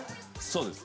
そうです。